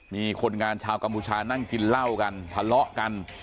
มีคนงานชาวกัมพูชานั่งกินเหล้ากันทะเลาะกัน